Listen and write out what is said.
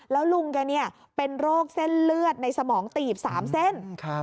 แล้วลุงแกเป็นโรคเส้นเลือดในสมองตีบ๓เส้น